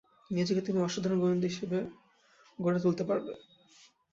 নিজেকে তুমি অসাধারণ গোয়েন্দা হিসেবে গড়ে তুলতে পারবে।